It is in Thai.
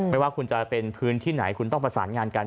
ว่าคุณจะเป็นพื้นที่ไหนคุณต้องประสานงานกัน